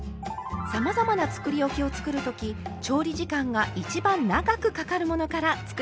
さまざまなつくりおきを作るとき調理時間が一番長くかかるものから作り始めるといいですよ。